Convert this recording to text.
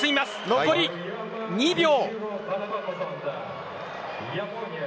残り２秒。